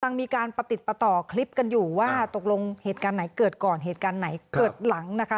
ยังมีการประติดประต่อคลิปกันอยู่ว่าตกลงเหตุการณ์ไหนเกิดก่อนเหตุการณ์ไหนเกิดหลังนะคะ